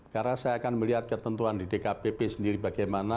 karena saya akan melihat ketentuan di dkpp sendiri bagaimana